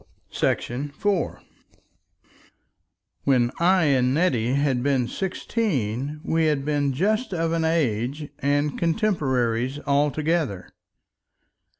§ 4 When I and Nettie had been sixteen we had been just of an age and contemporaries altogether.